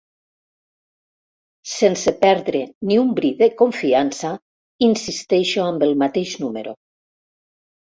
Sense perdre ni un bri de confiança insisteixo amb el mateix número.